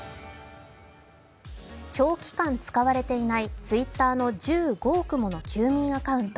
長期間使われていないＴｗｉｔｔｅｒの１５億もの休眠アカウント。